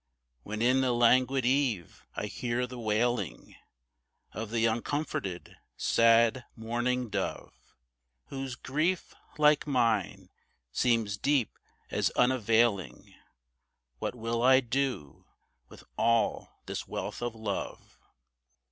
When in the languid eve I hear the wailing Of the uncomforted sad mourning dove, Whose grief, like mine, seems deep as unavailing, What will I do with all this wealth of love?